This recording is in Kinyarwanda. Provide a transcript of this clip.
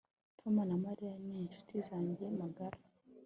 Tom na Mariya ni inshuti zanjye magara